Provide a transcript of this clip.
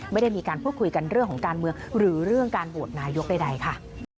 ไม่ได้มีการพูดคุยกันเรื่องของการเมืองหรือเรื่องการโหวตนายกใดค่ะ